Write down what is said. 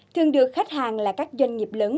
thường được khách hàng là các doanh nghiệp lớn